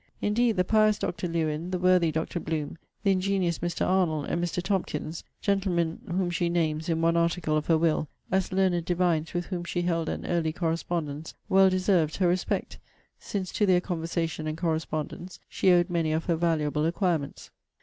Indeed the pious Dr. Lewen, the worthy Dr. Blome, the ingenious Mr. Arnold, and Mr. Tompkins, gentlemen whom she names, in one article of her will, as learned divines with whom she held an early correspondence, well deserved her respect; since to their conversation and correspondence she owed many of her valuable acquirements.